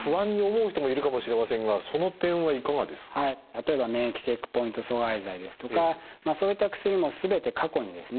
例えば免疫チェックポイント阻害剤ですとかそういった薬も全て過去にですね